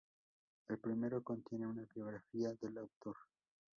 El primero contiene una biografía del autor.